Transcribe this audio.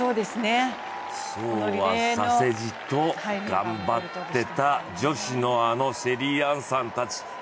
そうはさせじと頑張ってた女子のあのシェリーアンさんたち。